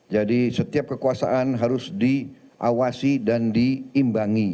jadi setiap kekuasaan harus diawasi dan diimbangi